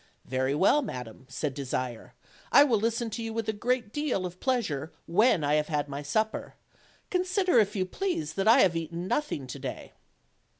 "Very well, madam," said Desire, "I will listen to you with a great deal of pleasure when I have had my sup per; consider, if you please, that I have eaten nothing to day."